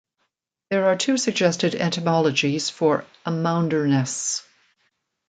There are two suggested etymologies for Amounderness.